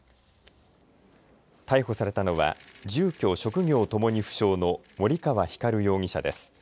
逮捕されたのは住居・職業ともに不詳の森川光容疑者です。